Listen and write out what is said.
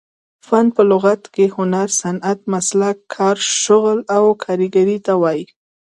فن په لغت کښي هنر، صنعت، مسلک، کار، شغل او کاریګرۍ ته وايي.